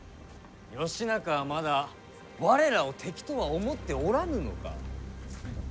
義仲は、まだ我らを敵とは思っておらぬのか。